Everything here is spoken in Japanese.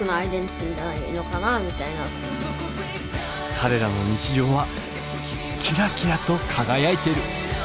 彼らの日常はキラキラと輝いてる。